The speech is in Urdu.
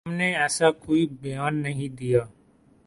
ہم نے ایسا کوئی بیان نہیں دیا